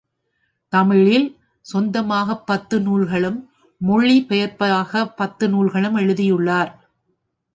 தமிழில் சொந்தமாக பத்து நூல்களும், மொழி பெயர்ப்பாக பத்து நூல்களும் எழுதியுள்ளார்.